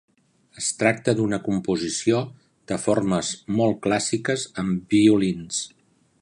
Es tracta d'una composició de formes molt clàssiques amb violins.